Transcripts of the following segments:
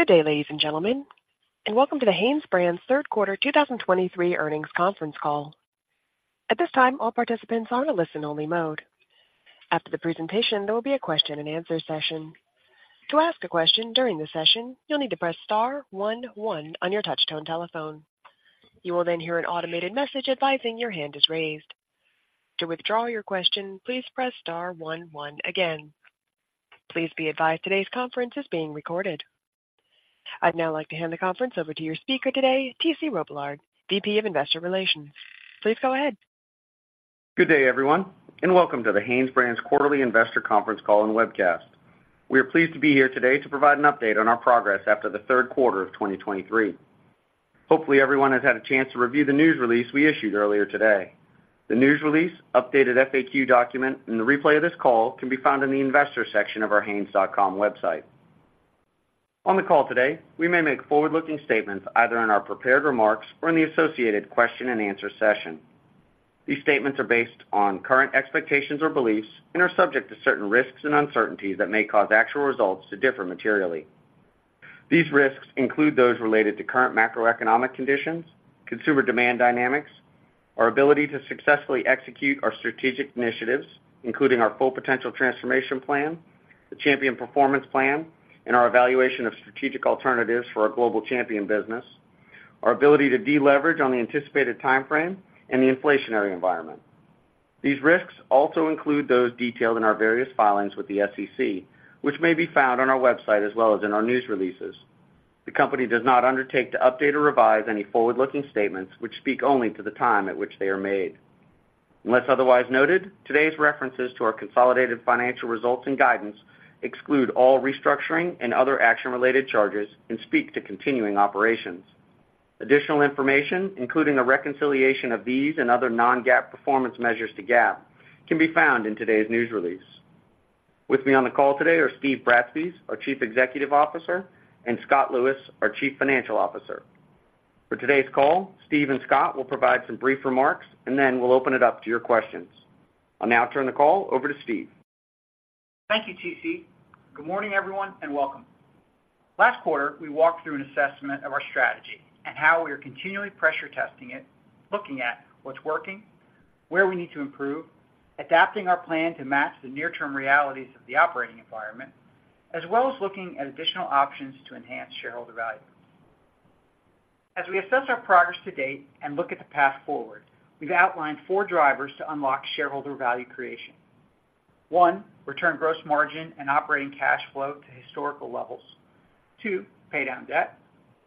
Good day, ladies and gentlemen, and welcome to the HanesBrands' Third Quarter 2023 Earnings Conference Call. At this time, all participants are in a listen-only mode. After the presentation, there will be a question-and-answer session. To ask a question during the session, you'll need to press star one one on your touchtone telephone. You will then hear an automated message advising your hand is raised. To withdraw your question, please press star one one again. Please be advised today's conference is being recorded. I'd now like to hand the conference over to your speaker today, T.C. Robillard, VP of Investor Relations. Please go ahead. Good day, everyone, and welcome to the HanesBrands Quarterly Investor Conference Call and Webcast. We are pleased to be here today to provide an update on our progress after the third quarter of 2023. Hopefully, everyone has had a chance to review the news release we issued earlier today. The news release, updated FAQ document, and the replay of this call can be found in the investor section of our hanes.com website. On the call today, we may make forward-looking statements either in our prepared remarks or in the associated question-and-answer session. These statements are based on current expectations or beliefs and are subject to certain risks and uncertainties that may cause actual results to differ materially. These risks include those related to current macroeconomic conditions, consumer demand dynamics, our ability to successfully execute our strategic initiatives, including our Full Potential transformation plan, the Champion Performance Plan, and our evaluation of strategic alternatives for our global Champion business, our ability to deleverage on the anticipated timeframe and the inflationary environment. These risks also include those detailed in our various filings with the SEC, which may be found on our website as well as in our news releases. The company does not undertake to update or revise any forward-looking statements which speak only to the time at which they are made. Unless otherwise noted, today's references to our consolidated financial results and guidance exclude all restructuring and other action-related charges and speak to continuing operations. Additional information, including a reconciliation of these and other non-GAAP performance measures to GAAP, can be found in today's news release. With me on the call today are Steve Bratspies, our Chief Executive Officer, and Scott Lewis, our Chief Financial Officer. For today's call, Steve and Scott will provide some brief remarks, and then we'll open it up to your questions. I'll now turn the call over to Steve. Thank you, T.C. Good morning, everyone, and welcome. Last quarter, we walked through an assessment of our strategy and how we are continually pressure testing it, looking at what's working, where we need to improve, adapting our plan to match the near-term realities of the operating environment, as well as looking at additional options to enhance shareholder value. As we assess our progress to date and look at the path forward, we've outlined four drivers to unlock shareholder value creation. One, return gross margin and operating cash flow to historical levels. Two, pay down debt.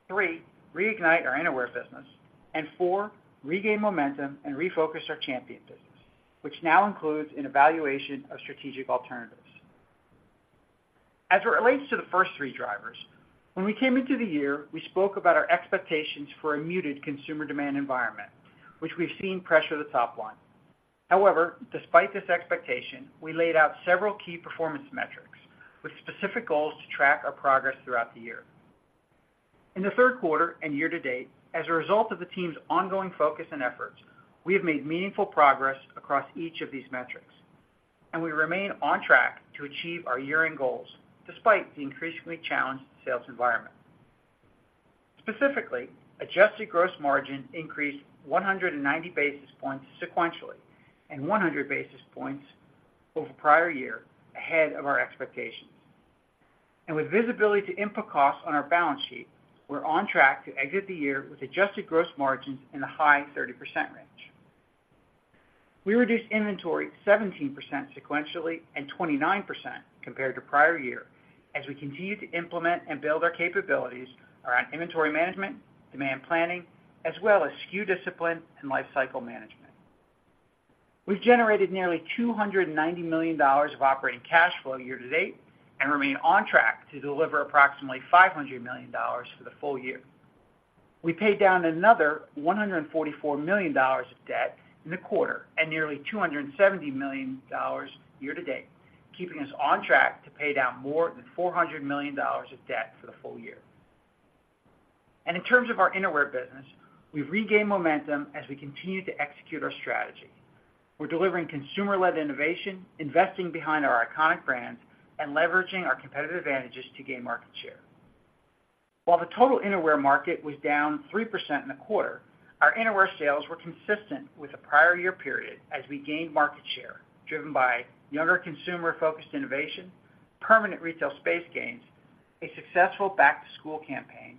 Three, reignite our innerwear business. And four, regain momentum and refocus our Champion business, which now includes an evaluation of strategic alternatives. As it relates to the first three drivers, when we came into the year, we spoke about our expectations for a muted consumer demand environment, which we've seen pressure the top line. However, despite this expectation, we laid out several key performance metrics with specific goals to track our progress throughout the year. In the third quarter and year to date, as a result of the team's ongoing focus and efforts, we have made meaningful progress across each of these metrics, and we remain on track to achieve our year-end goals despite the increasingly challenged sales environment. Specifically, adjusted gross margin increased 190 basis points sequentially and 100 basis points over prior year, ahead of our expectations. With visibility to input costs on our balance sheet, we're on track to exit the year with adjusted gross margins in the high 30% range. We reduced inventory 17% sequentially and 29% compared to prior year as we continued to implement and build our capabilities around inventory management, demand planning, as well as SKU discipline and lifecycle management. We've generated nearly $290 million of operating cash flow year to date and remain on track to deliver approximately $500 million for the full-year. We paid down another $144 million of debt in the quarter and nearly $270 million year to date, keeping us on track to pay down more than $400 million of debt for the full-year. In terms of our innerwear business, we've regained momentum as we continue to execute our strategy. We're delivering consumer-led innovation, investing behind our iconic brands, and leveraging our competitive advantages to gain market share. While the total innerwear market was down 3% in the quarter, our innerwear sales were consistent with the prior year period as we gained market share, driven by younger consumer-focused innovation, permanent retail space gains, a successful back-to-school campaign,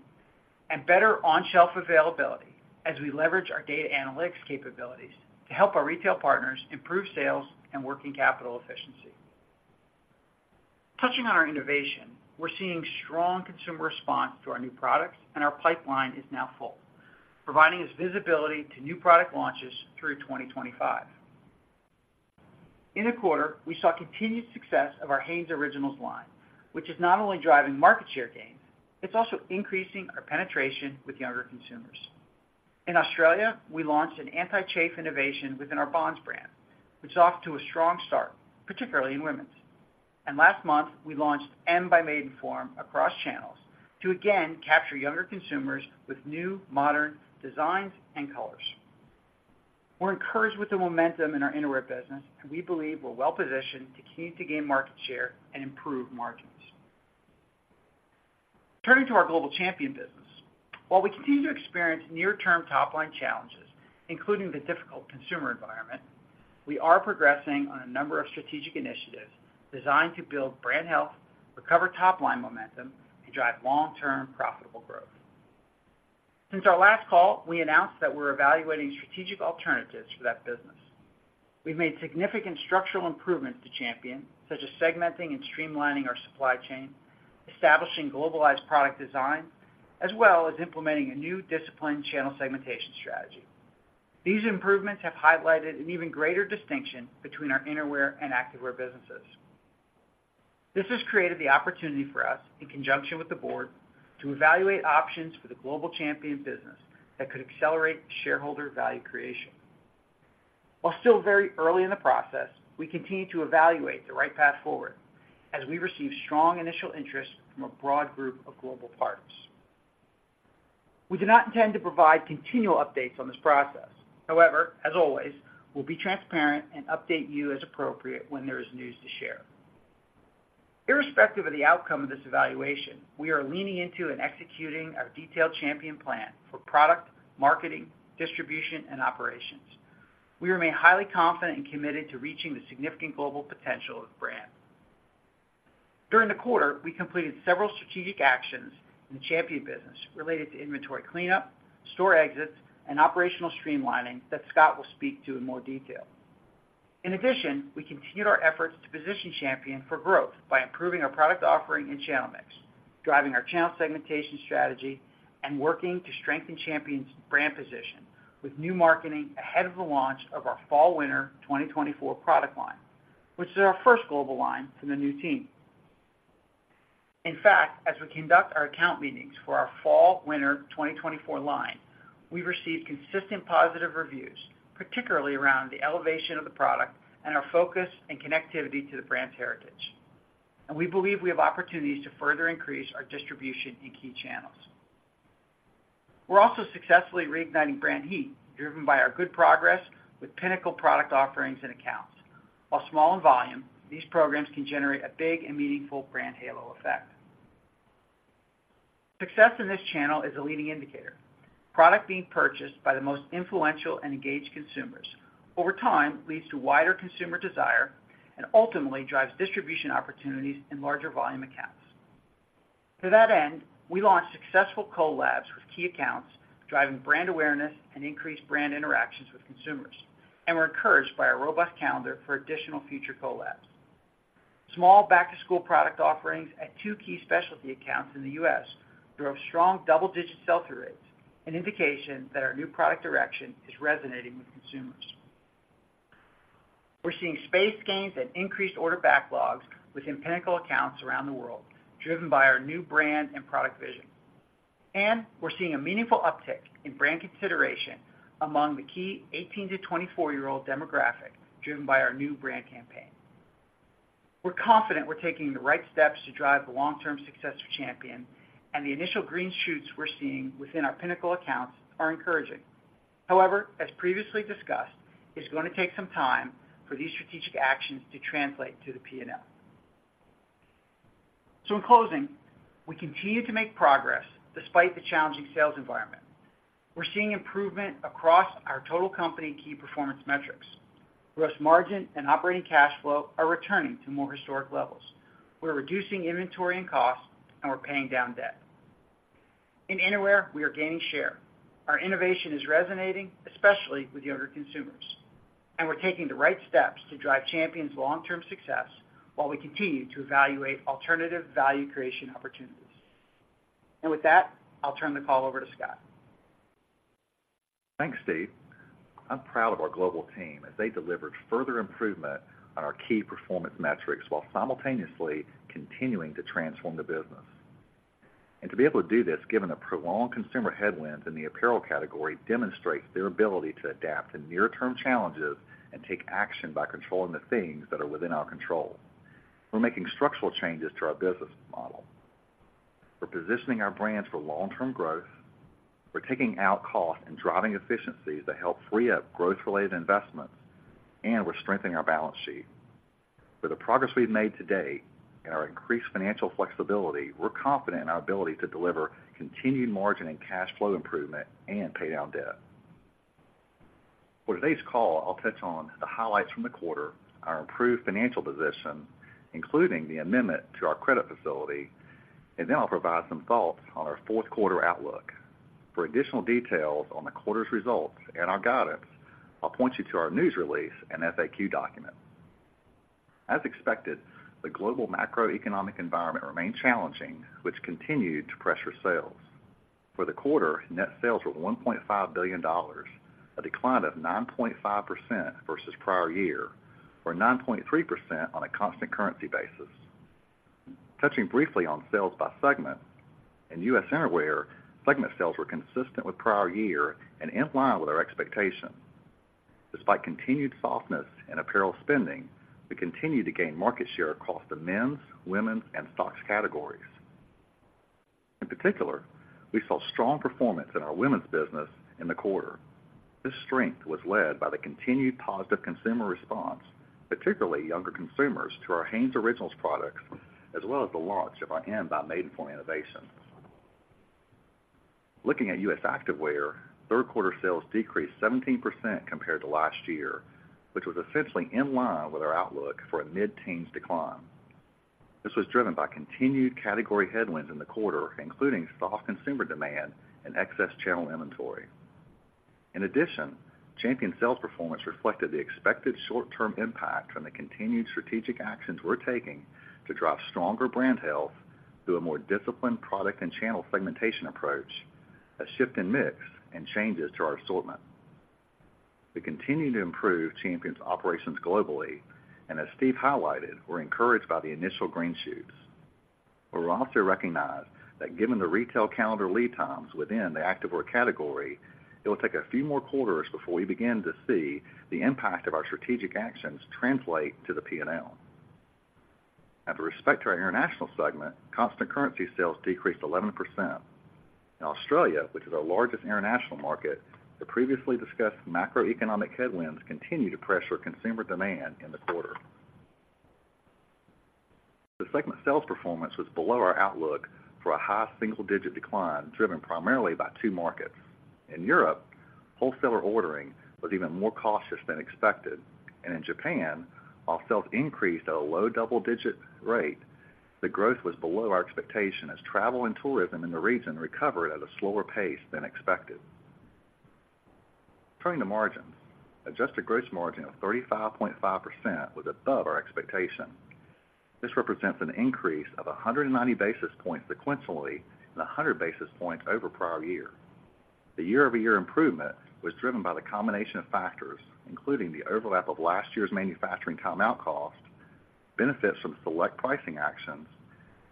and better on-shelf availability as we leverage our data analytics capabilities to help our retail partners improve sales and working capital efficiency. Touching on our innovation, we're seeing strong consumer response to our new products, and our pipeline is now full, providing us visibility to new product launches through 2025. In the quarter, we saw continued success of our Hanes Originals line, which is not only driving market share gains, it's also increasing our penetration with younger consumers. In Australia, we launched an anti-chafe innovation within our Bonds brand, which is off to a strong start, particularly in women's. Last month, we launched M by Maidenform across channels to again capture younger consumers with new, modern designs and colors... We're encouraged with the momentum in our innerwear business, and we believe we're well positioned to continue to gain market share and improve margins. Turning to our global Champion business. While we continue to experience near-term top-line challenges, including the difficult consumer environment, we are progressing on a number of strategic initiatives designed to build brand health, recover top-line momentum, and drive long-term profitable growth. Since our last call, we announced that we're evaluating strategic alternatives for that business. We've made significant structural improvements to Champion, such as segmenting and streamlining our supply chain, establishing globalized product design, as well as implementing a new disciplined channel segmentation strategy. These improvements have highlighted an even greater distinction between our innerwear and activewear businesses. This has created the opportunity for us, in conjunction with the board, to evaluate options for the global Champion business that could accelerate shareholder value creation. While still very early in the process, we continue to evaluate the right path forward as we receive strong initial interest from a broad group of global partners. We do not intend to provide continual updates on this process. However, as always, we'll be transparent and update you as appropriate when there is news to share. Irrespective of the outcome of this evaluation, we are leaning into and executing our detailed Champion plan for product, marketing, distribution, and operations. We remain highly confident and committed to reaching the significant global potential of the brand. During the quarter, we completed several strategic actions in the Champion business related to inventory cleanup, store exits, and operational streamlining that Scott will speak to in more detail. In addition, we continued our efforts to position Champion for growth by improving our product offering and channel mix, driving our channel segmentation strategy, and working to strengthen Champion's brand position with new marketing ahead of the launch of our fall/winter 2024 product line, which is our first global line from the new team. In fact, as we conduct our account meetings for our fall/winter 2024 line, we've received consistent positive reviews, particularly around the elevation of the product and our focus and connectivity to the brand's heritage. We believe we have opportunities to further increase our distribution in key channels. We're also successfully reigniting brand heat, driven by our good progress with pinnacle product offerings and accounts. While small in volume, these programs can generate a big and meaningful brand halo effect. Success in this channel is a leading indicator. Product being purchased by the most influential and engaged consumers over time leads to wider consumer desire and ultimately drives distribution opportunities in larger volume accounts. To that end, we launched successful collabs with key accounts, driving brand awareness and increased brand interactions with consumers, and we're encouraged by our robust calendar for additional future collabs. Small back-to-school product offerings at two key specialty accounts in the U.S. drove strong double-digit sell-through rates, an indication that our new product direction is resonating with consumers. We're seeing space gains and increased order backlogs within pinnacle accounts around the world, driven by our new brand and product vision. We're seeing a meaningful uptick in brand consideration among the key 18- to 24-year-old demographic, driven by our new brand campaign. We're confident we're taking the right steps to drive the long-term success of Champion, and the initial green shoots we're seeing within our pinnacle accounts are encouraging. However, as previously discussed, it's going to take some time for these strategic actions to translate to the P&L. So in closing, we continue to make progress despite the challenging sales environment. We're seeing improvement across our total company key performance metrics. Gross margin and operating cash flow are returning to more historic levels. We're reducing inventory and costs, and we're paying down debt. In innerwear, we are gaining share. Our innovation is resonating, especially with younger consumers, and we're taking the right steps to drive Champion's long-term success while we continue to evaluate alternative value creation opportunities. And with that, I'll turn the call over to Scott. Thanks, Steve. I'm proud of our global team as they delivered further improvement on our key performance metrics while simultaneously continuing to transform the business. To be able to do this, given the prolonged consumer headwinds in the apparel category, demonstrates their ability to adapt to near-term challenges and take action by controlling the things that are within our control. We're making structural changes to our business model. We're positioning our brands for long-term growth. We're taking out cost and driving efficiencies that help free up growth-related investments, and we're strengthening our balance sheet. With the progress we've made today and our increased financial flexibility, we're confident in our ability to deliver continued margin and cash flow improvement and pay down debt. For today's call, I'll touch on the highlights from the quarter, our improved financial position, including the amendment to our credit facility, and then I'll provide some thoughts on our fourth quarter outlook. For additional details on the quarter's results and our guidance, I'll point you to our news release and FAQ document. As expected, the global macroeconomic environment remained challenging, which continued to pressure sales. For the quarter, net sales were $1.5 billion, a decline of 9.5% versus prior year or 9.3% on a constant currency basis. Touching briefly on sales by segment, in U.S. Innerwear, segment sales were consistent with prior year and in line with our expectations. Despite continued softness in apparel spending, we continue to gain market share across the men's, women's, and socks categories.... In particular, we saw strong performance in our women's business in the quarter. This strength was led by the continued positive consumer response, particularly younger consumers, to our Hanes Originals products, as well as the launch of our M by Maidenform innovations. Looking at U.S. Activewear, third quarter sales decreased 17% compared to last year, which was essentially in line with our outlook for a mid-teens% decline. This was driven by continued category headwinds in the quarter, including soft consumer demand and excess channel inventory. In addition, Champion sales performance reflected the expected short-term impact from the continued strategic actions we're taking to drive stronger brand health through a more disciplined product and channel segmentation approach, a shift in mix, and changes to our assortment. We continue to improve Champion's operations globally, and as Steve highlighted, we're encouraged by the initial green shoots. But we also recognize that given the retail calendar lead times within the activewear category, it will take a few more quarters before we begin to see the impact of our strategic actions translate to the P&L. And with respect to our international segment, constant currency sales decreased 11%. In Australia, which is our largest international market, the previously discussed macroeconomic headwinds continued to pressure consumer demand in the quarter. The segment sales performance was below our outlook for a high single-digit decline, driven primarily by two markets. In Europe, wholesaler ordering was even more cautious than expected, and in Japan, while sales increased at a low double-digit rate, the growth was below our expectation as travel and tourism in the region recovered at a slower pace than expected. Turning to margins, adjusted gross margin of 35.5% was above our expectation. This represents an increase of 190 basis points sequentially and 100 basis points over prior year. The year-over-year improvement was driven by the combination of factors, including the overlap of last year's manufacturing time out cost, benefits from select pricing actions,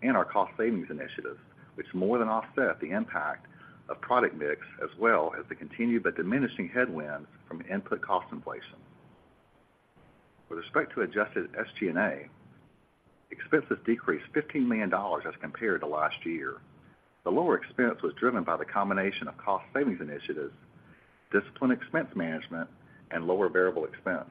and our cost savings initiatives, which more than offset the impact of product mix, as well as the continued but diminishing headwind from input cost inflation. With respect to adjusted SG&A, expenses decreased $15 million as compared to last year. The lower expense was driven by the combination of cost savings initiatives, disciplined expense management, and lower variable expense.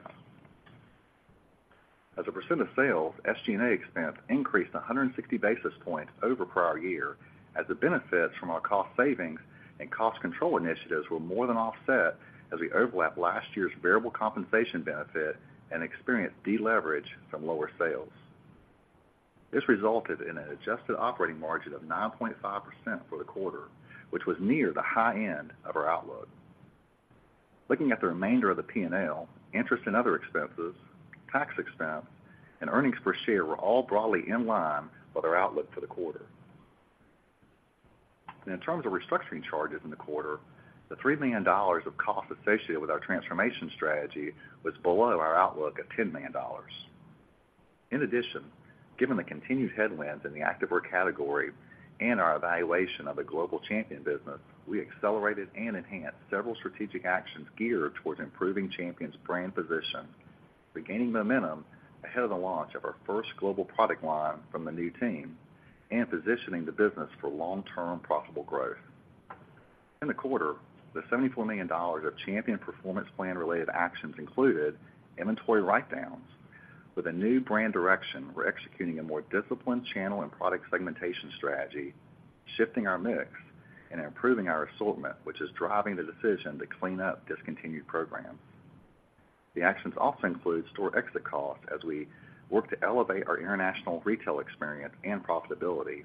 As a percent of sales, SG&A expense increased 160 basis points over prior year, as the benefits from our cost savings and cost control initiatives were more than offset as we overlapped last year's variable compensation benefit and experienced deleverage from lower sales. This resulted in an adjusted operating margin of 9.5% for the quarter, which was near the high end of our outlook. Looking at the remainder of the P&L, interest and other expenses, tax expense, and earnings per share were all broadly in line with our outlook for the quarter. In terms of restructuring charges in the quarter, the $3 million of costs associated with our transformation strategy was below our outlook of $10 million. In addition, given the continued headwinds in the activewear category and our evaluation of the global Champion business, we accelerated and enhanced several strategic actions geared towards improving Champion's brand position, regaining momentum ahead of the launch of our first global product line from the new team, and positioning the business for long-term profitable growth. In the quarter, the $74 million of Champion Performance Plan-related actions included inventory write-downs. With a new brand direction, we're executing a more disciplined channel and product segmentation strategy, shifting our mix and improving our assortment, which is driving the decision to clean up discontinued programs. The actions also include store exit costs as we work to elevate our international retail experience and profitability,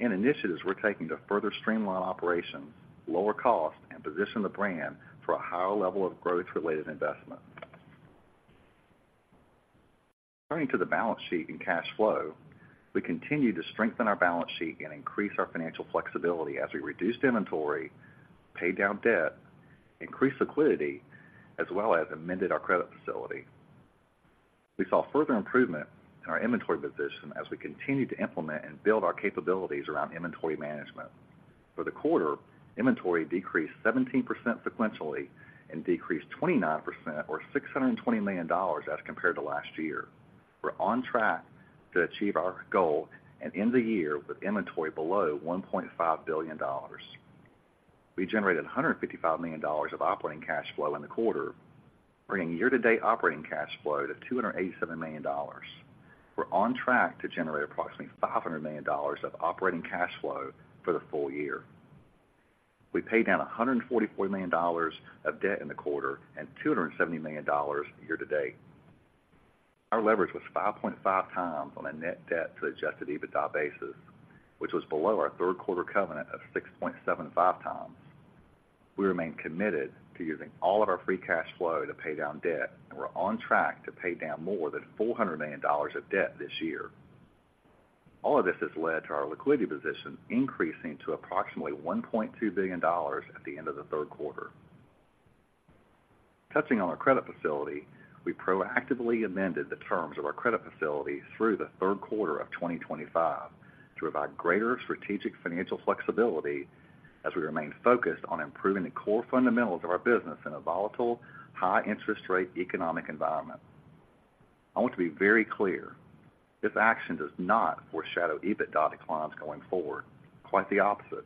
and initiatives we're taking to further streamline operations, lower costs, and position the brand for a higher level of growth-related investment. Turning to the balance sheet and cash flow, we continue to strengthen our balance sheet and increase our financial flexibility as we reduced inventory, paid down debt, increased liquidity, as well as amended our credit facility. We saw further improvement in our inventory position as we continued to implement and build our capabilities around inventory management. For the quarter, inventory decreased 17% sequentially and decreased 29% or $620 million as compared to last year. We're on track to achieve our goal and end the year with inventory below $1.5 billion. We generated $155 million of operating cash flow in the quarter, bringing year-to-date operating cash flow to $287 million. We're on track to generate approximately $500 million of operating cash flow for the full-year. We paid down $144 million of debt in the quarter and $270 million year-to-date. Our leverage was 5.5x on a net debt to Adjusted EBITDA basis, which was below our third quarter covenant of 6.75x. We remain committed to using all of our free cash flow to pay down debt, and we're on track to pay down more than $400 million of debt this year. All of this has led to our liquidity position increasing to approximately $1.2 billion at the end of the third quarter. Touching on our credit facility, we proactively amended the terms of our credit facility through the third quarter of 2025 to provide greater strategic financial flexibility as we remain focused on improving the core fundamentals of our business in a volatile, high interest rate economic environment. I want to be very clear, this action does not foreshadow EBITDA declines going forward. Quite the opposite.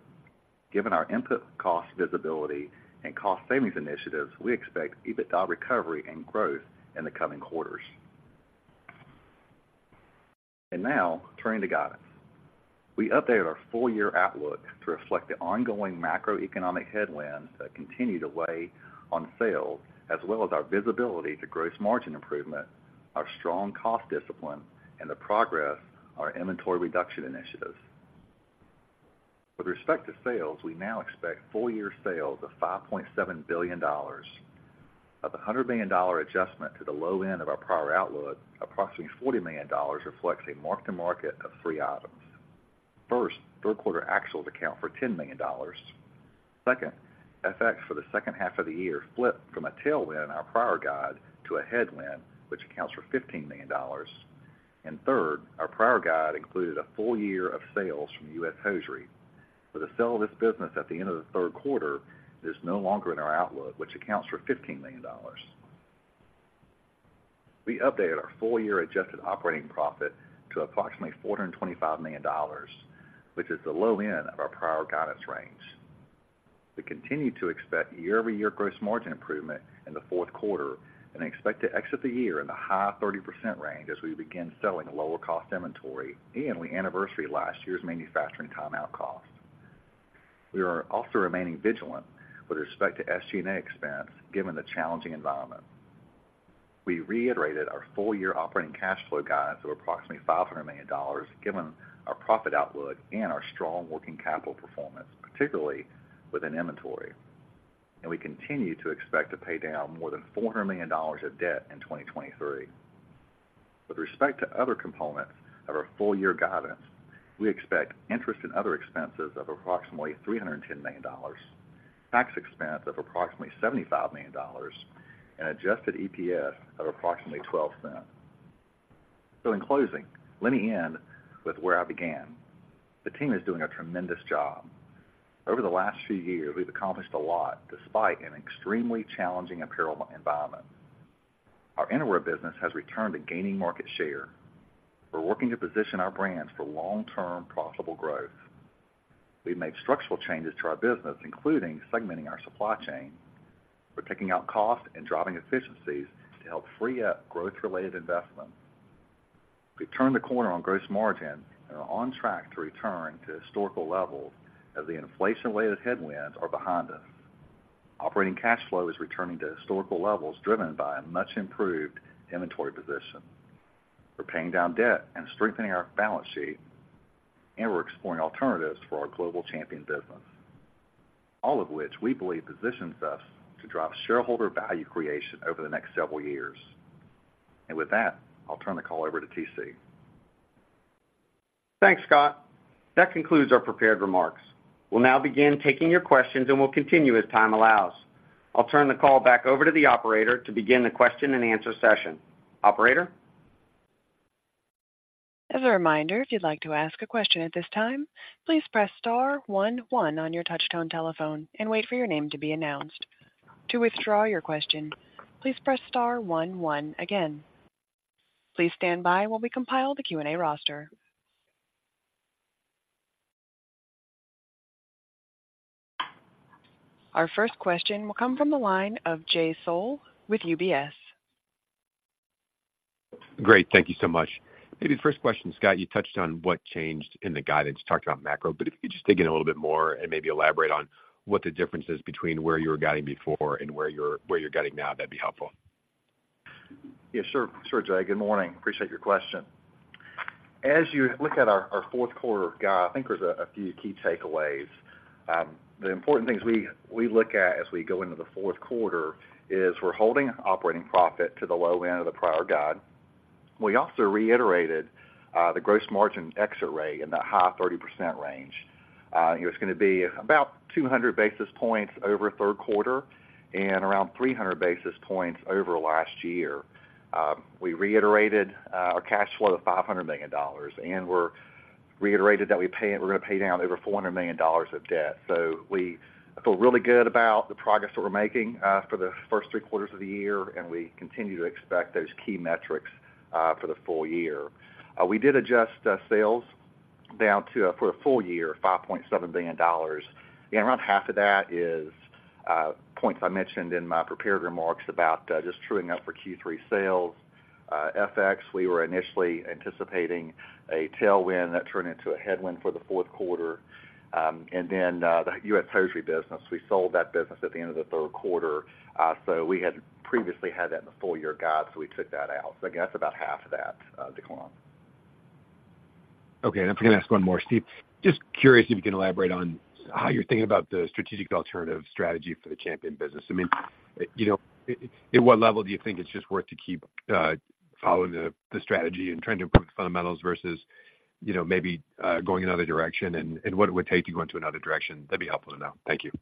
Given our input cost visibility and cost savings initiatives, we expect EBITDA recovery and growth in the coming quarters. Now, turning to guidance. We updated our full-year outlook to reflect the ongoing macroeconomic headwinds that continue to weigh on sales, as well as our visibility to gross margin improvement, our strong cost discipline, and the progress on our inventory reduction initiatives. With respect to sales, we now expect full-year sales of $5.7 billion. Of the $100 million adjustment to the low end of our prior outlook, approximately $40 million reflects a mark-to-market of three items. First, third quarter actuals account for $10 million. Second, FX for the second half of the year flipped from a tailwind in our prior guide to a headwind, which accounts for $15 million. And third, our prior guide included a full-year of sales from U.S. Hosiery. With the sale of this business at the end of the third quarter, it is no longer in our outlook, which accounts for $15 million. We updated our full-year adjusted operating profit to approximately $425 million, which is the low end of our prior guidance range. We continue to expect year-over-year gross margin improvement in the fourth quarter, and expect to exit the year in the high 30% range as we begin selling lower cost inventory and we anniversary last year's manufacturing timeout cost. We are also remaining vigilant with respect to SG&A expense, given the challenging environment. We reiterated our full-year operating cash flow guidance of approximately $500 million, given our profit outlook and our strong working capital performance, particularly within inventory. And we continue to expect to pay down more than $400 million of debt in 2023. With respect to other components of our full-year guidance, we expect interest and other expenses of approximately $310 million, tax expense of approximately $75 million, and adjusted EPS of approximately $0.12. So in closing, let me end with where I began. The team is doing a tremendous job. Over the last few years, we've accomplished a lot despite an extremely challenging apparel environment. Our innerwear business has returned to gaining market share. We're working to position our brands for long-term profitable growth. We've made structural changes to our business, including segmenting our supply chain. We're taking out costs and driving efficiencies to help free up growth-related investments. We've turned the corner on gross margin and are on track to return to historical levels as the inflation-related headwinds are behind us. Operating cash flow is returning to historical levels, driven by a much improved inventory position. We're paying down debt and strengthening our balance sheet, and we're exploring alternatives for our Global Champion business, all of which we believe positions us to drive shareholder value creation over the next several years. With that, I'll turn the call over to T.C. Thanks, Scott. That concludes our prepared remarks. We'll now begin taking your questions, and we'll continue as time allows. I'll turn the call back over to the operator to begin the question-and-answer session. Operator? As a reminder, if you'd like to ask a question at this time, please press star one, one on your touchtone telephone and wait for your name to be announced. To withdraw your question, please press star one, one again. Please stand by while we compile the Q&A roster. Our first question will come from the line of Jay Sole with UBS. Great, thank you so much. Maybe the first question, Scott, you touched on what changed in the guidance. You talked about macro, but if you could just dig in a little bit more and maybe elaborate on what the difference is between where you were guiding before and where you're, where you're guiding now, that'd be helpful. Yeah, sure, sure, Jay. Good morning. Appreciate your question. As you look at our fourth quarter guide, I think there's a few key takeaways. The important things we look at as we go into the fourth quarter is we're holding operating profit to the low end of the prior guide. We also reiterated the gross margin exit rate in the high 30% range. It's gonna be about 200 basis points over third quarter and around 300 basis points over last year. We reiterated our cash flow of $500 million, and we reiterated that we're gonna pay down over $400 million of debt. So we feel really good about the progress that we're making, for the first three quarters of the year, and we continue to expect those key metrics, for the full-year. We did adjust, sales down to, for the full-year, $5.7 billion. And around half of that is, points I mentioned in my prepared remarks about, just truing up for Q3 sales. FX, we were initially anticipating a tailwind that turned into a headwind for the fourth quarter. And then, the U.S. Hosiery business, we sold that business at the end of the third quarter. So we had previously had that in the full-year guide, so we took that out. So again, that's about half of that, decline. Okay, and I'm gonna ask one more. Steve, just curious if you can elaborate on how you're thinking about the strategic alternative strategy for the Champion business. I mean, you know, at what level do you think it's just worth to keep following the strategy and trying to improve the fundamentals versus, you know, maybe going another direction, and what it would take to go into another direction? That'd be helpful to know. Thank you.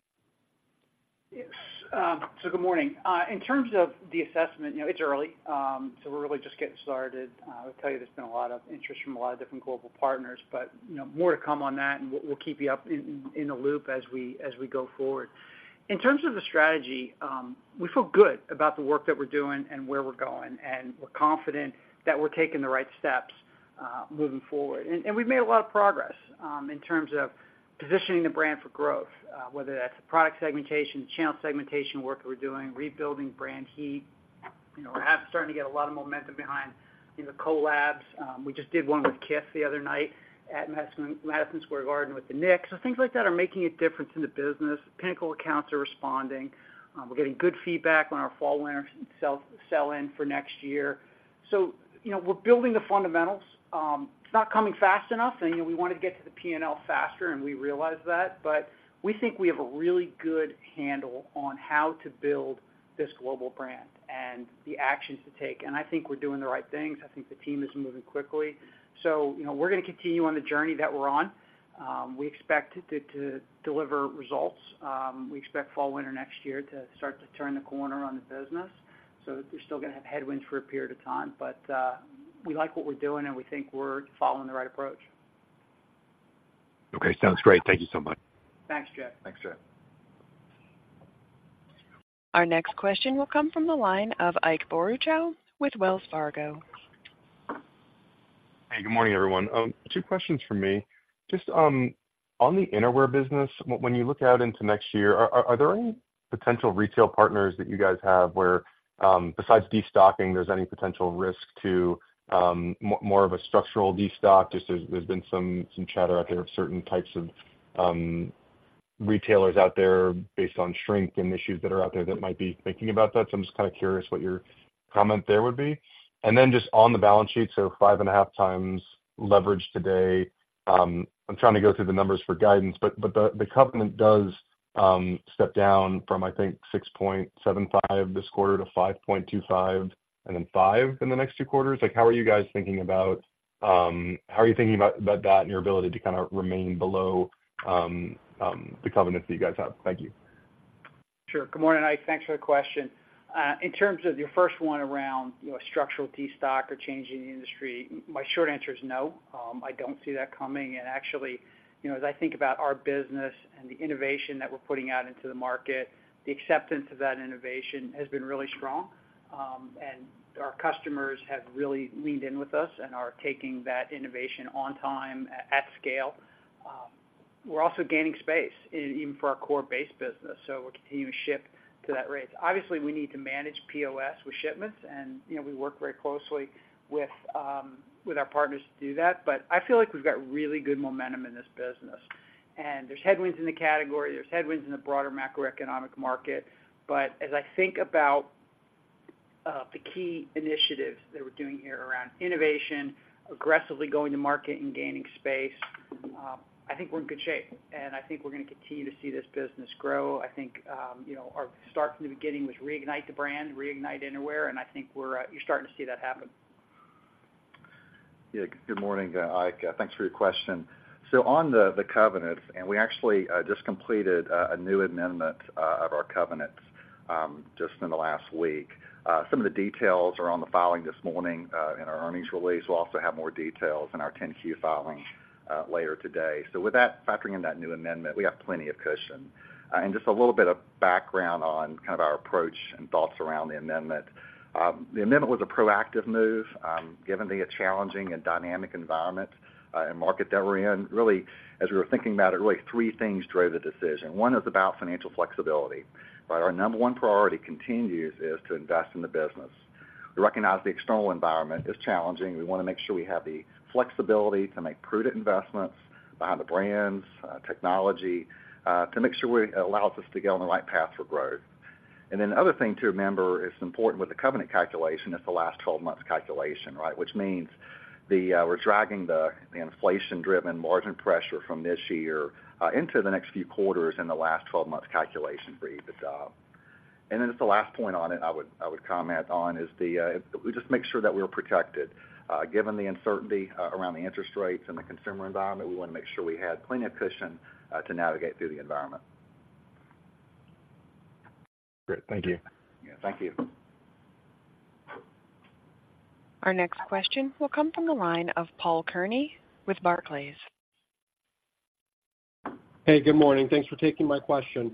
Yes. So good morning. In terms of the assessment, you know, it's early, so we're really just getting started. I'll tell you, there's been a lot of interest from a lot of different global partners, but, you know, more to come on that, and we'll keep you up in the loop as we go forward. In terms of the strategy, we feel good about the work that we're doing and where we're going, and we're confident that we're taking the right steps. Moving forward. And we've made a lot of progress, in terms of positioning the brand for growth, whether that's the product segmentation, channel segmentation work that we're doing, rebuilding brand heat. You know, we're starting to get a lot of momentum behind, you know, collabs. We just did one with Kith the other night at Madison Square Garden with the Knicks. So things like that are making a difference in the business. Pinnacle accounts are responding. We're getting good feedback on our fall/winter sell-in for next year. So, you know, we're building the fundamentals. It's not coming fast enough, and, you know, we wanna get to the PNL faster, and we realize that, but we think we have a really good handle on how to build this global brand and the actions to take. And I think we're doing the right things. I think the team is moving quickly. So, you know, we're gonna continue on the journey that we're on. We expect to deliver results. We expect fall/winter next year to start to turn the corner on the business. So we're still gonna have headwinds for a period of time, but we like what we're doing, and we think we're following the right approach. Okay. Sounds great. Thank you so much. Thanks, Jeff. Thanks, Jeff. Our next question will come from the line of Ike Boruchow with Wells Fargo. Hey, good morning, everyone. Two questions for me. Just on the innerwear business, when you look out into next year, are there any potential retail partners that you guys have where, besides destocking, there's any potential risk to more of a structural destock? Just there's been some chatter out there of certain types of retailers out there based on strength and issues that are out there that might be thinking about that. So I'm just kind of curious what your comment there would be. And then just on the balance sheet, so 5.5x leverage today. I'm trying to go through the numbers for guidance, but the covenant does step down from, I think, 6.75 this quarter to 5.25, and then 5 in the next two quarters. Like, how are you guys thinking about... How are you thinking about that and your ability to kind of remain below the covenants that you guys have? Thank you. Sure. Good morning, Ike. Thanks for the question. In terms of your first one around, you know, structural destock or change in the industry, my short answer is no. I don't see that coming. And actually, you know, as I think about our business and the innovation that we're putting out into the market, the acceptance of that innovation has been really strong. And our customers have really leaned in with us and are taking that innovation on time, at scale. We're also gaining space even for our core base business, so we're continuing to ship to that rate. Obviously, we need to manage POS with shipments, and, you know, we work very closely with our partners to do that. But I feel like we've got really good momentum in this business. There's headwinds in the category, there's headwinds in the broader macroeconomic market. But as I think about the key initiatives that we're doing here around innovation, aggressively going to market and gaining space, I think we're in good shape, and I think we're gonna continue to see this business grow. I think, you know, our start from the beginning was reignite the brand, reignite innerwear, and I think we're, you're starting to see that happen. Yeah. Good morning, Ike. Thanks for your question. So on the covenants, and we actually just completed a new amendment of our covenants just in the last week. Some of the details are on the filing this morning in our earnings release. We'll also have more details in our 10-Q filing later today. So with that, factoring in that new amendment, we have plenty of cushion. And just a little bit of background on kind of our approach and thoughts around the amendment. The amendment was a proactive move given the challenging and dynamic environment and market that we're in. Really, as we were thinking about it, really three things drove the decision. One is about financial flexibility, right? Our number one priority continues is to invest in the business. We recognize the external environment is challenging. We wanna make sure we have the flexibility to make prudent investments behind the brands, technology, to make sure it allows us to go on the right path for growth. And then the other thing to remember, it's important with the covenant calculation, it's a last 12-month calculation, right? Which means we're dragging the inflation-driven margin pressure from this year into the next few quarters in the last 12-month calculation for EBITDA. And then just the last point on it, I would comment on, is the, we just make sure that we're protected. Given the uncertainty around the interest rates and the consumer environment, we wanna make sure we had plenty of cushion to navigate through the environment. Great. Thank you. Yeah, thank you. Our next question will come from the line of Paul Kearney with Barclays. Hey, good morning. Thanks for taking my question.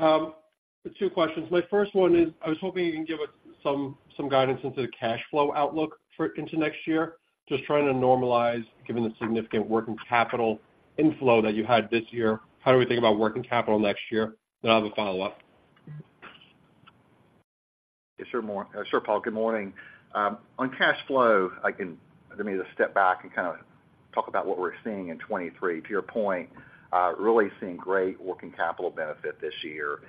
Two questions. My first one is, I was hoping you can give us some guidance into the cash flow outlook into next year. Just trying to normalize, given the significant working capital inflow that you had this year, how do we think about working capital next year? Then I have a follow-up. Yes, sure, Paul, good morning. On cash flow, let me just step back and kind of talk about what we're seeing in 2023. To your point, really seeing great working capital benefit this year.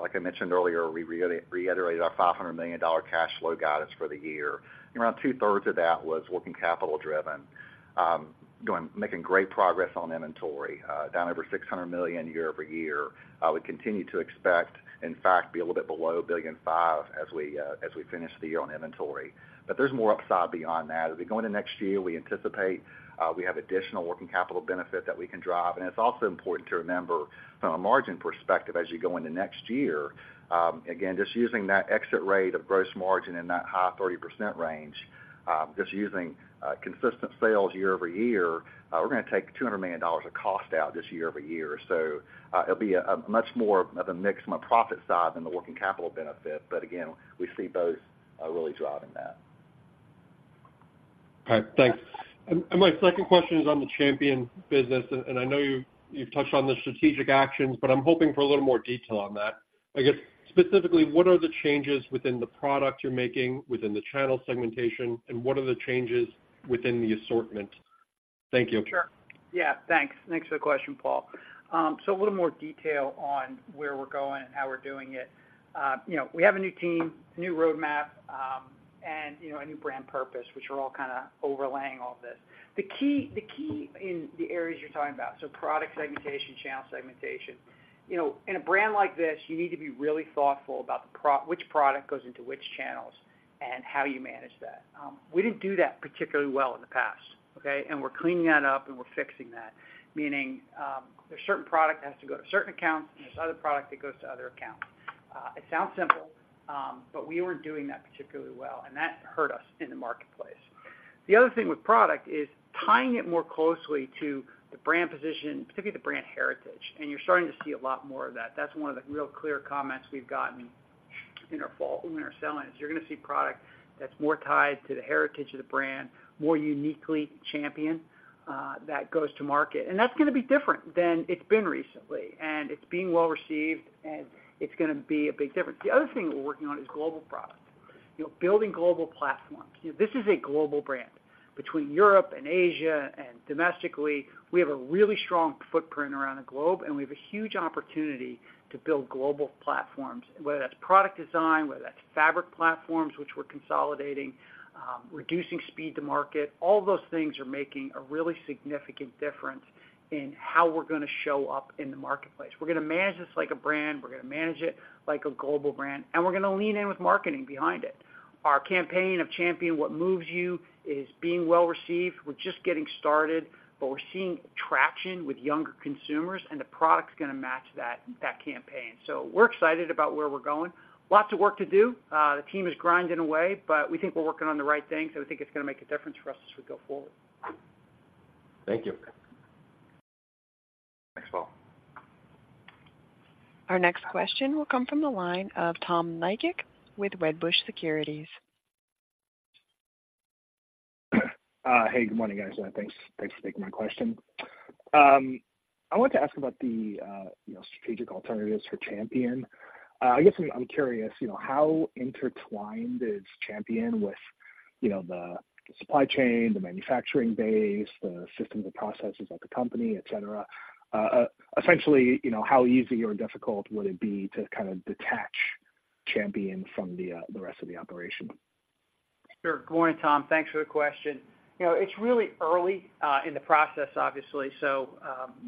Like I mentioned earlier, we reiterated our $500 million cash flow guidance for the year. Around two-thirds of that was working capital driven. Making great progress on inventory, down over $600 million year-over-year. We continue to expect, in fact, be a little bit below $1.5 billion as we finish the year on inventory. But there's more upside beyond that. As we go into next year, we anticipate we have additional working capital benefit that we can drive. And it's also important to remember from a margin perspective, as you go into next year, again, just using that exit rate of gross margin in that high 30% range, just using, consistent sales year-over-year, we're gonna take $200 million of cost out this year-over-year. So, it'll be a, a much more of a mix on the profit side than the working capital benefit. But again, we see both, really driving that.... All right, thanks. And my second question is on the Champion business, and I know you, you've touched on the strategic actions, but I'm hoping for a little more detail on that. I guess, specifically, what are the changes within the product you're making, within the channel segmentation, and what are the changes within the assortment? Thank you. Sure. Yeah, thanks. Thanks for the question, Paul. So a little more detail on where we're going and how we're doing it. You know, we have a new team, new roadmap, and, you know, a new brand purpose, which are all kind of overlaying all of this. The key, the key in the areas you're talking about, so product segmentation, channel segmentation, you know, in a brand like this, you need to be really thoughtful about which product goes into which channels and how you manage that. We didn't do that particularly well in the past, okay? And we're cleaning that up, and we're fixing that, meaning, there's certain product that has to go to certain accounts, and there's other product that goes to other accounts. It sounds simple, but we weren't doing that particularly well, and that hurt us in the marketplace. The other thing with product is tying it more closely to the brand position, particularly the brand heritage, and you're starting to see a lot more of that. That's one of the real clear comments we've gotten in our fall and winter sell-in, is you're gonna see product that's more tied to the heritage of the brand, more uniquely Champion, that goes to market. And that's gonna be different than it's been recently, and it's being well-received, and it's gonna be a big difference. The other thing that we're working on is global product. You know, building global platforms. You know, this is a global brand. Between Europe and Asia and domestically, we have a really strong footprint around the globe, and we have a huge opportunity to build global platforms, whether that's product design, whether that's fabric platforms, which we're consolidating, reducing speed to market. All those things are making a really significant difference in how we're gonna show up in the marketplace. We're gonna manage this like a brand. We're gonna manage it like a global brand, and we're gonna lean in with marketing behind it. Our campaign of Champion, What Moves You, is being well-received. We're just getting started, but we're seeing traction with younger consumers, and the product's gonna match that, that campaign. So we're excited about where we're going. Lots of work to do. The team is grinding away, but we think we're working on the right things, and we think it's gonna make a difference for us as we go forward. Thank you. Thanks, Paul. Our next question will come from the line of Tom Nikic with Wedbush Securities. Hey, good morning, guys. Thanks, thanks for taking my question. I wanted to ask about the, you know, strategic alternatives for Champion. I guess I'm, I'm curious, you know, how intertwined is Champion with, you know, the supply chain, the manufacturing base, the systems and processes of the company, et cetera? Essentially, you know, how easy or difficult would it be to kind of detach Champion from the, the rest of the operation? Sure. Good morning, Tom. Thanks for the question. You know, it's really early in the process, obviously, so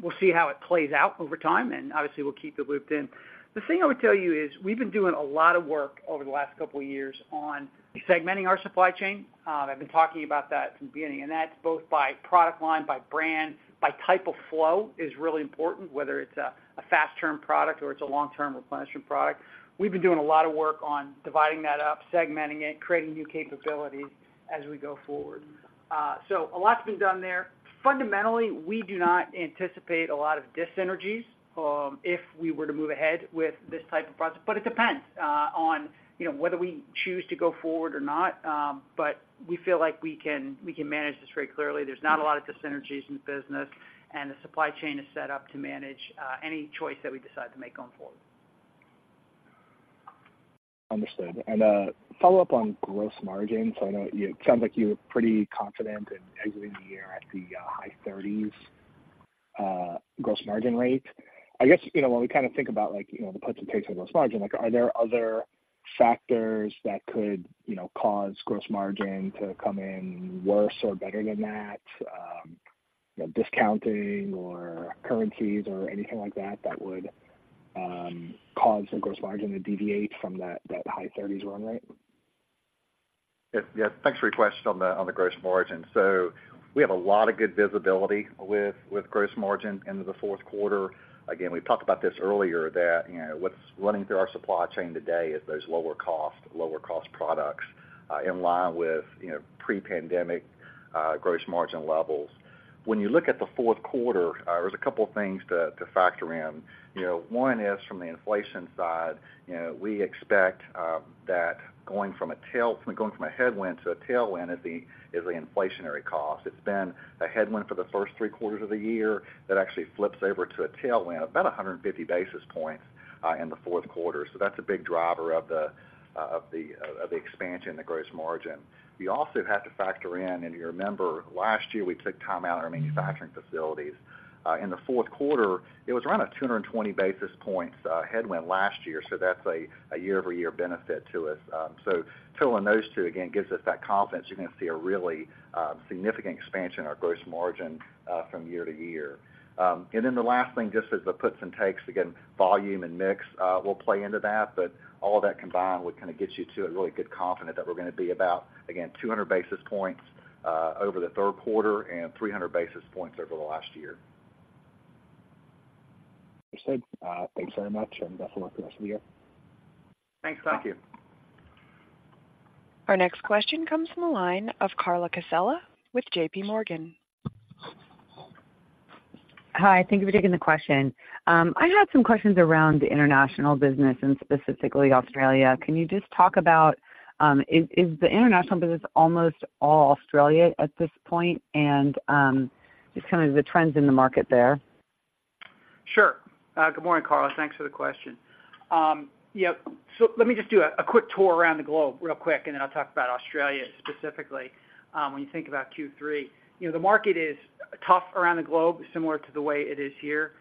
we'll see how it plays out over time, and obviously, we'll keep you looped in. The thing I would tell you is, we've been doing a lot of work over the last couple of years on segmenting our supply chain. I've been talking about that from the beginning, and that's both by product line, by brand, by type of flow, is really important, whether it's a fast-turn product or it's a long-term replenishment product. We've been doing a lot of work on dividing that up, segmenting it, creating new capabilities as we go forward. So a lot's been done there. Fundamentally, we do not anticipate a lot of dis-synergies if we were to move ahead with this type of process. It depends on, you know, whether we choose to go forward or not, but we feel like we can manage this very clearly. There's not a lot of dis-synergies in the business, and the supply chain is set up to manage any choice that we decide to make going forward. Understood. And, follow up on gross margin. So I know you, it sounds like you were pretty confident in exiting the year at the high thirties gross margin rate. I guess, you know, when we kind of think about, like, you know, the puts and takes of gross margin, like, are there other factors that could, you know, cause gross margin to come in worse or better than that? You know, discounting or currencies or anything like that that would cause the gross margin to deviate from that high thirties run rate? Yes. Yeah, thanks for your question on the gross margin. So we have a lot of good visibility with gross margin into the fourth quarter. Again, we talked about this earlier, that, you know, what's running through our supply chain today is those lower cost products in line with, you know, pre-pandemic gross margin levels. When you look at the fourth quarter, there's a couple of things to factor in. You know, one is from the inflation side. You know, we expect that going from a headwind to a tailwind is the inflationary cost. It's been a headwind for the first three quarters of the year, that actually flips over to a tailwind, about 150 basis points in the fourth quarter. So that's a big driver of the expansion in the gross margin. You also have to factor in, and you remember, last year we took time out of our manufacturing facilities. In the fourth quarter, it was around a 220 basis points headwind last year, so that's a year-over-year benefit to us. So filling those two, again, gives us that confidence. You're gonna see a really significant expansion in our gross margin from year to year. And then the last thing, just as the puts and takes, again, volume and mix will play into that, but all of that combined would kind of get you to a really good confident that we're gonna be about, again, 200 basis points over the third quarter and 300 basis points over the last year. Understood. Thanks very much, and good luck the rest of the year. Thanks, Tom. Thank you. Our next question comes from the line of Carla Casella with JPMorgan.... Hi, thank you for taking the question. I had some questions around the international business and specifically Australia. Can you just talk about, is the international business almost all Australia at this point? And, just kind of the trends in the market there. Sure. Good morning, Carla. Thanks for the question. Yep. So let me just do a quick tour around the globe real quick, and then I'll talk about Australia specifically. When you think about Q3, you know, the market is tough around the globe, similar to the way it is here.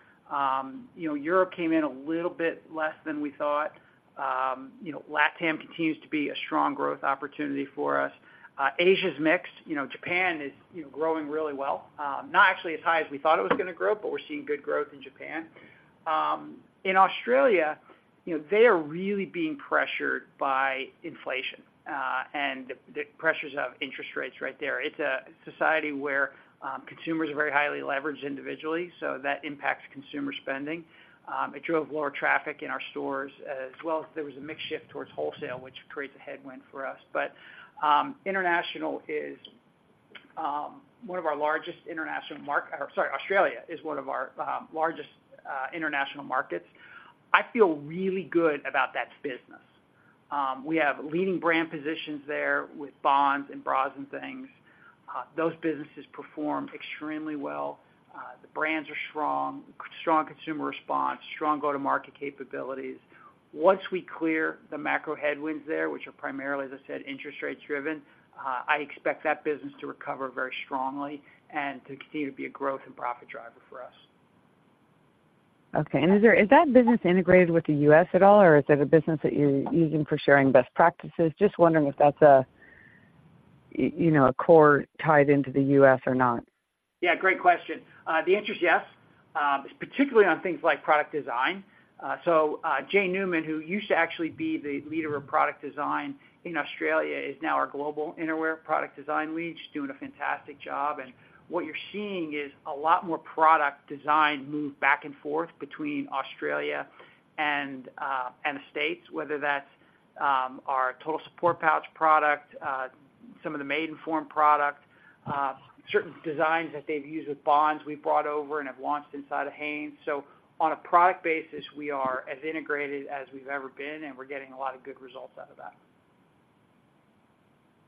You know, Europe came in a little bit less than we thought. You know, LatAm continues to be a strong growth opportunity for us. Asia's mixed. You know, Japan is, you know, growing really well, not actually as high as we thought it was gonna grow, but we're seeing good growth in Japan. In Australia, you know, they are really being pressured by inflation, and the pressures of interest rates right there. It's a society where consumers are very highly leveraged individually, so that impacts consumer spending. It drove lower traffic in our stores, as well as there was a mixed shift towards wholesale, which creates a headwind for us. But international is one of our largest international market- or sorry, Australia is one of our largest international markets. I feel really good about that business. We have leading brand positions there with Bonds and Bras N Things. Those businesses perform extremely well. The brands are strong, strong consumer response, strong go-to-market capabilities. Once we clear the macro headwinds there, which are primarily, as I said, interest rate driven, I expect that business to recover very strongly and to continue to be a growth and profit driver for us. Okay, and is that business integrated with the U.S. at all, or is it a business that you're using for sharing best practices? Just wondering if that's a, you know, a core tied into the U.S. or not. Yeah, great question. The answer is yes. Particularly on things like product design. So, Jane Newman, who used to actually be the leader of product design in Australia, is now our global innerwear product design lead. She's doing a fantastic job, and what you're seeing is a lot more product design move back and forth between Australia and the States, whether that's our Total Support Pouch product, some of the Maidenform product, certain designs that they've used with Bonds we've brought over and have launched inside of Hanes. So on a product basis, we are as integrated as we've ever been, and we're getting a lot of good results out of that.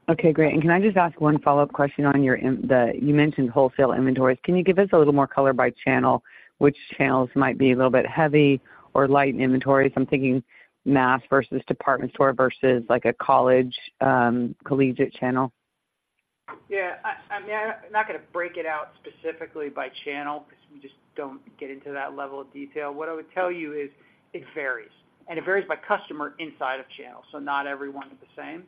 Okay, great. And can I just ask one follow-up question on your innerwear, you mentioned wholesale inventories. Can you give us a little more color by channel, which channels might be a little bit heavy or light in inventories? I'm thinking mass versus department store versus, like, a college, collegiate channel. Yeah, I'm not gonna break it out specifically by channel because we just don't get into that level of detail. What I would tell you is it varies, and it varies by customer inside of channel, so not everyone is the same.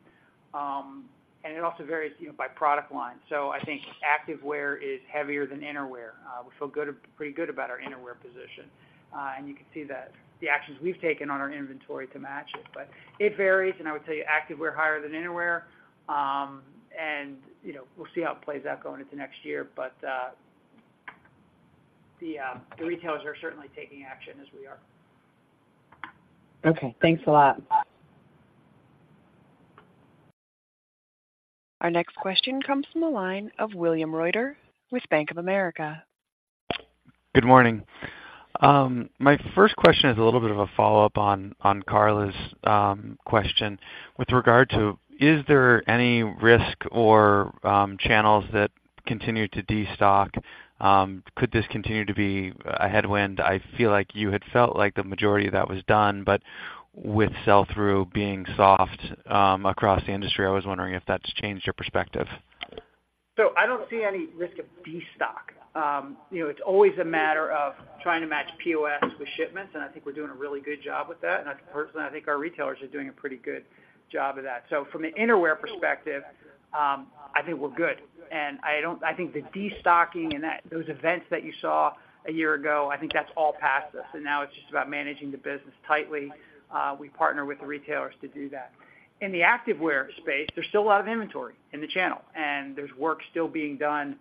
And it also varies, you know, by product line. So I think activewear is heavier than innerwear. We feel good, pretty good about our innerwear position, and you can see that the actions we've taken on our inventory to match it. But it varies, and I would tell you, activewear higher than innerwear. And, you know, we'll see how it plays out going into next year, but the retailers are certainly taking action as we are. Okay, thanks a lot. Our next question comes from the line of William Reuter with Bank of America. Good morning. My first question is a little bit of a follow-up on Carla's question. With regard to, is there any risk or channels that continue to destock? Could this continue to be a headwind? I feel like you had felt like the majority of that was done, but with sell-through being soft across the industry, I was wondering if that's changed your perspective. So I don't see any risk of destock. You know, it's always a matter of trying to match POS with shipments, and I think we're doing a really good job with that. I personally think our retailers are doing a pretty good job of that. So from an innerwear perspective, I think we're good, and I think the destocking and those events that you saw a year ago, I think that's all past us, and now it's just about managing the business tightly. We partner with the retailers to do that. In the activewear space, there's still a lot of inventory in the channel, and there's work still being done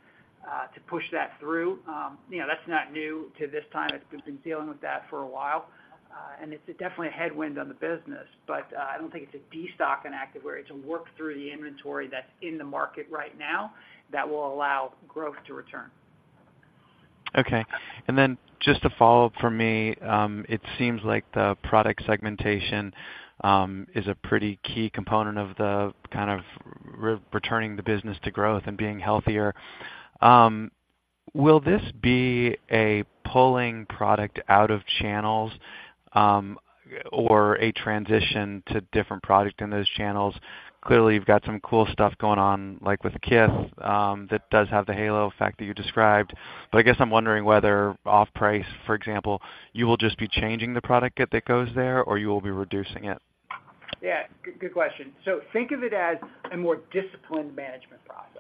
to push that through. You know, that's not new to this time. We've been dealing with that for a while, and it's definitely a headwind on the business, but I don't think it's a destock in activewear. It's a work through the inventory that's in the market right now that will allow growth to return. Okay, and then just to follow up for me, it seems like the product segmentation is a pretty key component of the kind of returning the business to growth and being healthier. Will this be a pulling product out of channels, or a transition to different product in those channels? Clearly, you've got some cool stuff going on, like with Kith, that does have the halo effect that you described. But I guess I'm wondering whether off-price, for example, you will just be changing the product that goes there, or you will be reducing it? Yeah, good, good question. So think of it as a more disciplined management process.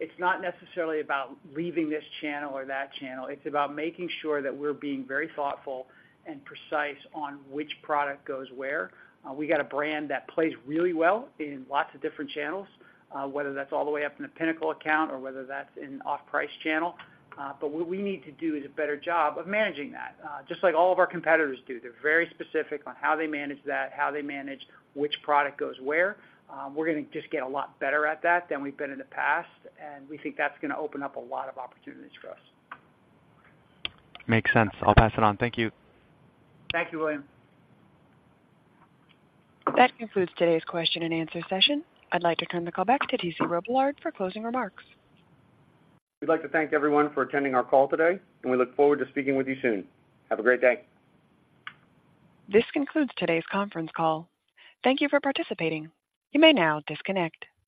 It's not necessarily about leaving this channel or that channel. It's about making sure that we're being very thoughtful and precise on which product goes where. We got a brand that plays really well in lots of different channels, whether that's all the way up in the pinnacle account or whether that's in off-price channel. But what we need to do is a better job of managing that, just like all of our competitors do. They're very specific on how they manage that, how they manage which product goes where. We're gonna just get a lot better at that than we've been in the past, and we think that's gonna open up a lot of opportunities for us. Makes sense. I'll pass it on. Thank you. Thank you, William. That concludes today's question and answer session. I'd like to turn the call back to T.C. Robillard for closing remarks. We'd like to thank everyone for attending our call today, and we look forward to speaking with you soon. Have a great day. This concludes today's conference call. Thank you for participating. You may now disconnect.